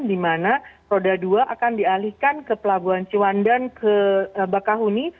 di mana roda dua akan dialihkan ke pelabuhan ciwandan ke bakahuni